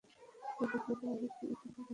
একই প্রশ্ন করা হয়েছিল এক সুপার কম্পিউটার কে।